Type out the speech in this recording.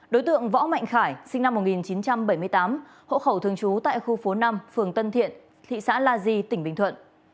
đối tượng võ mạnh khải sinh năm một nghìn chín trăm bảy mươi tám hộ khẩu thường trú tại khu phố năm phường tân thiện thị xã la di tỉnh bình thuận